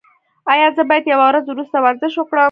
ایا زه باید یوه ورځ وروسته ورزش وکړم؟